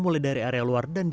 mulai dari area luar